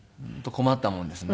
困ったものですね。